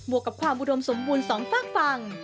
วกกับความอุดมสมบูรณ์สองฝากฝั่ง